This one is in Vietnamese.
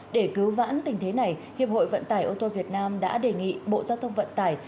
để cứu vãn tình thế này hiệp hội vận tải ô tô việt nam đã đề nghị bộ giao thông vận tải